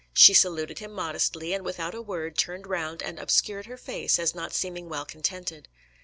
She saluted him modestly, and without a word turned round and "obscured her face as not seeming well contented."